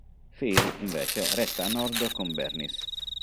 Phil, invece, resta a Nord con Bernice.